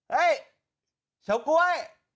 เฮ้ยเฉาก๊วย